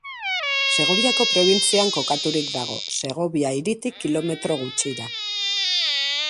Segoviako probintzian kokaturik dago, Segovia hiritik kilometro gutxira.